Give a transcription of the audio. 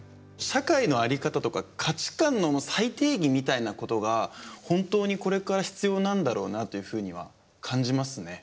社会の在り方とか価値観の再定義みたいなことが本当にこれから必要なんだろうなというふうには感じますね。